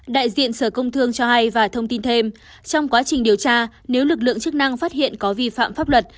đại diện sở công thương cho hay và thông tin thêm trong quá trình điều tra nếu lực lượng chức năng phát hiện có vi phạm pháp luật